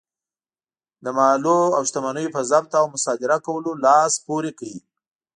د مالونو او شتمنیو په ضبط او مصادره کولو لاس پورې کړ.